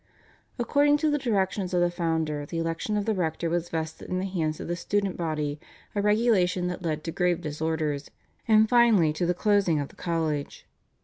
According to the directions of the founder the election of the rector was vested in the hands of the student body, a regulation that led to grave disorders, and finally to the closing of the college.